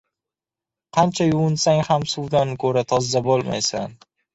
• Qancha yuvinsang ham suvdan ko‘ra toza bo‘lmaysan.